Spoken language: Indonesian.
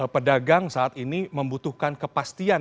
pedagang saat ini membutuhkan kepastian